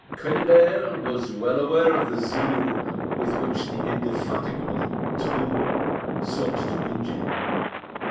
Quennebert was well aware of the zeal with which the indefatigable Trumeau sought to injure him.